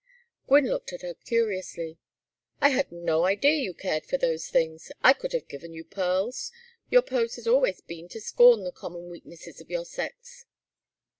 Gwynne looked at her curiously. "I had no idea you cared for those things. I could have given you pearls. Your pose has always been to scorn the common weaknesses of your sex."